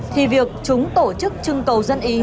thì việc chúng tổ chức trưng cầu dân ý